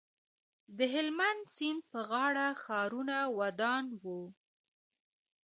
د هلمند سیند په غاړه ښارونه ودان وو